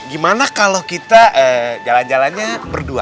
gimana kalau kita jalan jalannya berdua